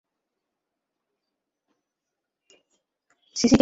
সিসিটিভিতে কিছুই দেখতে পারবে না।